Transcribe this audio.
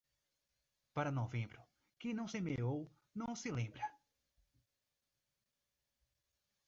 Para novembro, quem não semeou, não se lembra.